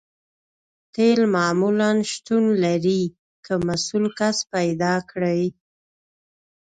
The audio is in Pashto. تیل معمولاً شتون لري که مسؤل کس پیدا کړئ